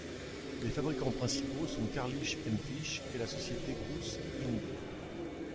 Les fabricants principaux sont Carlisle & Finch et la société Crouse-Hinds.